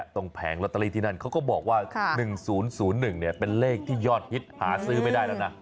แผงลอตเตอรี่ที่นั่นเขาก็บอกว่า๑๐๐๑เป็นเลขที่ยอดฮิตหาซื้อไม่ได้แล้วนะ